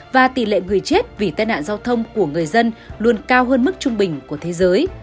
và tỷ lệ người chết vì tai nạn giao thông của người dân luôn cao hơn mức trung bình của thế giới